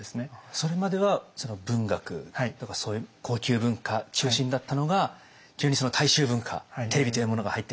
それまでは文学とかそういう高級文化中心だったのが急にその大衆文化テレビというものが入ってきて？